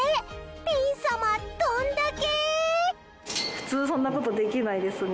ピン様どんだけ！